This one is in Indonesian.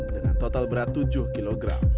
dengan total berat tujuh kg